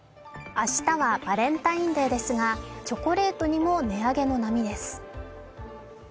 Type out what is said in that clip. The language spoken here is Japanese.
明日はバレンタインデーですがチョコレートにも値上げの波です。